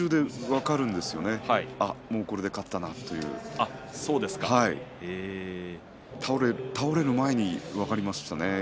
これでもう勝ったなと倒れる前に分かりましたね。